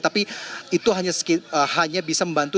tapi itu hanya bisa membantu